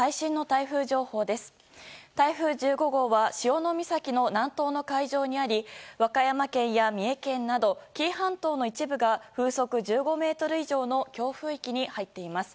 台風１５号は潮岬の南東の海上にあり和歌山県や三重県など紀伊半島の一部が風速１５メートル以上の強風域に入っています。